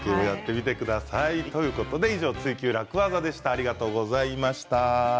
以上「ツイＱ楽ワザ」でした。